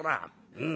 うん。